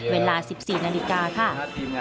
เวลา๑๔นาฬิกาค่ะ